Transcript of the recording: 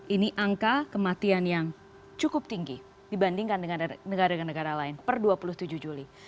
ini angka kematian yang cukup tinggi dibandingkan dengan negara negara lain per dua puluh tujuh juli